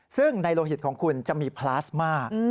ซึ่งในโลหิตของคุณจะมีพลาสมา